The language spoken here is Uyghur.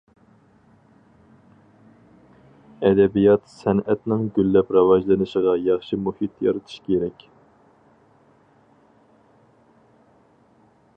ئەدەبىيات- سەنئەتنىڭ گۈللەپ راۋاجلىنىشىغا ياخشى مۇھىت يارىتىش كېرەك.